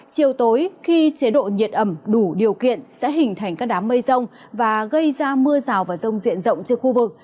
chiều tối khi chế độ nhiệt ẩm đủ điều kiện sẽ hình thành các đám mây rông và gây ra mưa rào và rông diện rộng cho khu vực